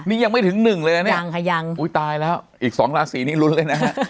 นี่ยังไม่ถึงหนึ่งเลยนะเนี่ยยังค่ะยังอุ้ยตายแล้วอีกสองราศีนี้ลุ้นเลยนะฮะ